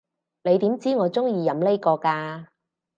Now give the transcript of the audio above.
你點知我中意飲呢個㗎？